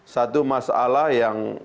satu masalah yang